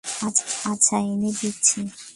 আচ্ছা, এনে দিচ্ছি।